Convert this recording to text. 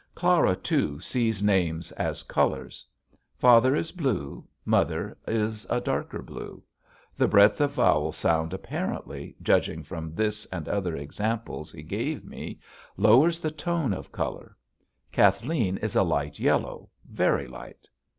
Clara, too, sees names as colors. Father is blue, Mother is a darker blue. The breadth of vowel sound apparently, judging from this and other examples he gave me, lowers the tone of color. Kathleen is a light yellow, very light.